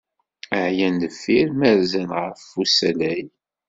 Ɛyan deffir ma rzan ɣef usalay.